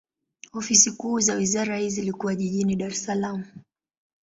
Ofisi kuu za wizara hii zilikuwa jijini Dar es Salaam.